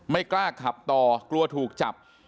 ไม่กล้าขับต่อกลัวถูกจับ